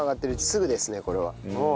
すぐですねこれは。